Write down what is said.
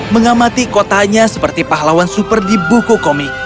mengamati kotanya seperti pahlawan super di buku komik